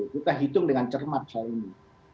kita hitung dengan cermat soal ini